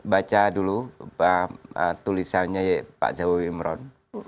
baca dulu tulisannya pak zau imron